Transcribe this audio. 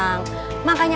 nunggu titik selamanya